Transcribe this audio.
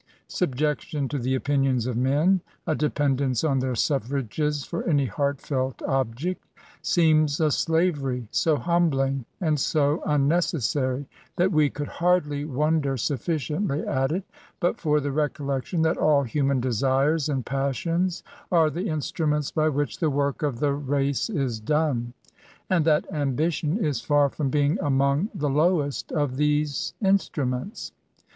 Subjection to the opinions of men — a dependence on their suffrages for any heartfelt object — seems a slavery so humbling and so unnecessary, that we could hardly wonder sufficiently at it, but for the recollection that all human desires and passions are the instruments by which the work of the race 200 ESSAYS* is done, and tliat ambition is far firom being among^ the lowest of these instruments.